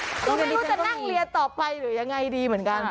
ไม่รู้จะนั่งเรียนต่อไปหรือยังไงดีเหมือนกัน